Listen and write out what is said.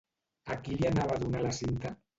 A qui li anava a donar la Cinta?